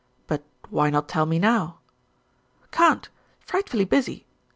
"But why not tell me now?" "Can't. Frightfully busy.